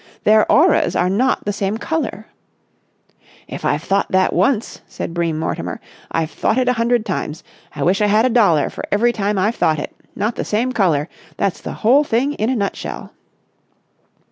"Their auras are not the same colour." "If I've thought that once," said Bream Mortimer, "I've thought it a hundred times. I wish I had a dollar for every time I've thought it. Not the same colour. That's the whole thing in a nutshell."